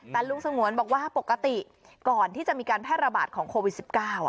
แต่ลุงสงวนบอกว่าปกติก่อนที่จะมีการแพร่ระบาดของโควิด๑๙